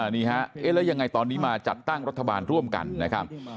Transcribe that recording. นี่ฮะแล้วยังไงตอนนี้มาจัดตั้งรัฐบาลร่วมกันนะครับ